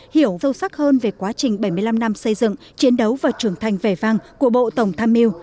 hiểu sâu sắc hơn về quá trình bảy mươi năm năm xây dựng chiến đấu và trưởng thành vẻ vang của bộ tổng tham mưu